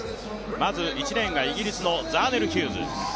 まず１レーンがイギリスのザーネル・ヒューズ。